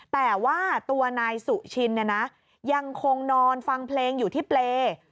แต่ว่าตัวนายสุชินเนี่ยนะยังคงนอนฟังเพลงอยู่ที่เปรย์